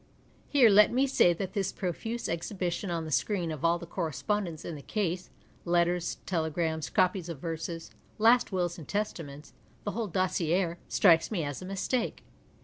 Here let me say that this i)rofuse exhibition on the screen of all tlie correspondence in the case, letters, telegrams, copies of verses, last wills and testaments, the whole dossier, strikes me as a mistake.